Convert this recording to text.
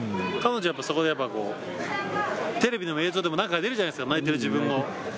彼女やっぱりそこでこう、テレビでも映像でも何回か出るじゃないですか、泣いてる自分を。